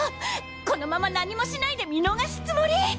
このまま何もしないで見逃すつもり！？